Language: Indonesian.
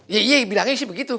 ya iya bilangnya sih begitu